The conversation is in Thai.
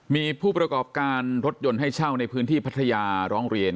มีผู้ประกอบการรถยนต์ให้เช่าในพื้นที่พัทยาร้องเรียน